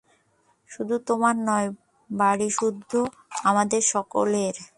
শুধু তোমার নয়, বাড়িসুদ্ধ আমাদের সকলের।